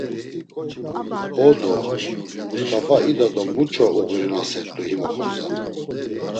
Ho do, Must̆afa ida do muç̌o oğurinasert̆u him oxorza.